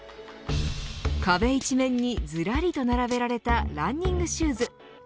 壁一面にずらりと並べられたランニングシューズ。